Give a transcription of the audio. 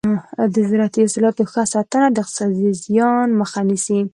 د زراعتي حاصلاتو ښه ساتنه د اقتصادي زیان مخه نیسي.